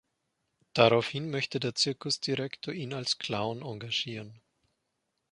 Daraufhin möchte der Zirkusdirektor ihn als Clown engagieren.